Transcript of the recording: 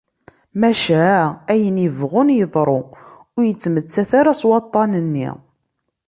Maca ayen yebɣun yeḍru, ur yettmettat ara s waṭṭan-nni.